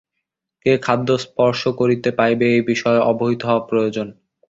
কে খাদ্য স্পর্শ করিতে পাইবে, এই বিষয়ে অবহিত হওয়া প্রয়োজন।